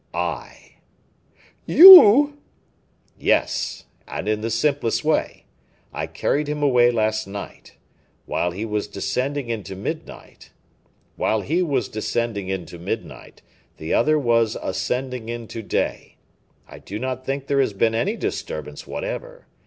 "I." "You?" "Yes, and in the simplest way. I carried him away last night. While he was descending into midnight, the other was ascending into day. I do not think there has been any disturbance whatever.